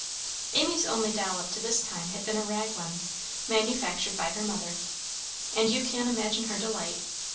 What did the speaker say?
_" Amy's only doll up to this time had been a rag one, manufactured by her mother, and you can imagine her delight.